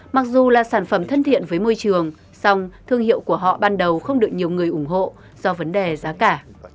mặc dù là sản phẩm thân thiện với môi trường song thương hiệu của họ ban đầu không được nhiều người ủng hộ do vấn đề giá cả